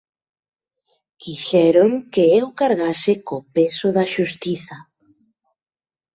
Quixeron que eu cargase co peso da xustiza.